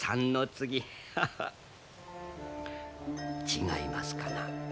違いますかな？